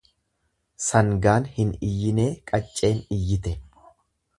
Sangaan hin iyyinee qacceen iyyite.